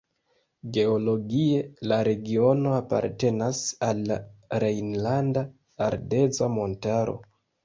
Geologie la regiono apartenas al la Rejnlanda Ardeza Montaro.